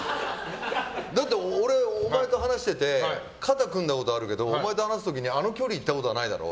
だって、俺お前と話していて肩組んだことはあるけどお前と話す時にあの距離行ったことはないだろ。